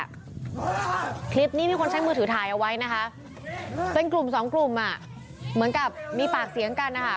คลิปนี้มีคนใช้มือถือถ่ายเอาไว้นะคะเป็นกลุ่มสองกลุ่มอ่ะเหมือนกับมีปากเสียงกันนะคะ